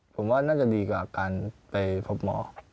ผมว่าน่าจะดีกว่าการไปพบหมอ